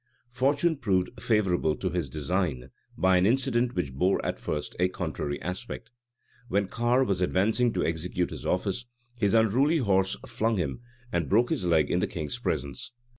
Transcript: Fortune proved favorable to his design, by an incident which bore at first a contrary aspect. When Carre was advancing to execute his office, his unruly horse flung him, and broke his leg in the king's presence.